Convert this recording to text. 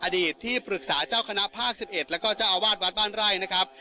อดีตที่ปรึกษาเจ้าคณะภาค๑๑แล้วก็เจ้าอาวาสวัดบ้านไร่นะครับ